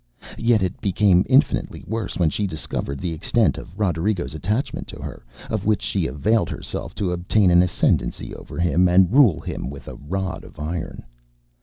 Yet it became infinitely worse when she discovered the extent of RoderigoŌĆÖs attachment to her, of which she availed herself to obtain an ascendancy over him and rule him with a rod of iron.